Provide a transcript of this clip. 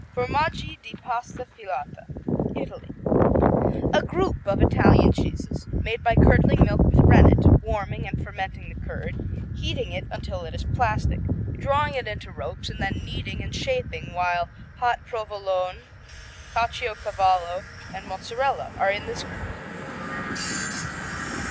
Formaggi di Pasta Filata Italy A group of Italian cheeses made by curdling milk with rennet, warming and fermenting the curd, heating it until it is plastic, drawing it into ropes and then kneading and shaping while hot. Provolone, Caciocavallo and Mozzarella are in this group.